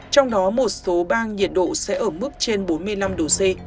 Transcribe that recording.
trong đó một số bang nhiệt độ sẽ ở mức trên bốn mươi năm độ c